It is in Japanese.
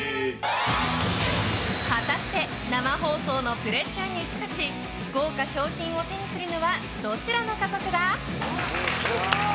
果たして生放送のプレッシャーに打ち勝ち豪華賞品を手にするのはどちらの家族だ？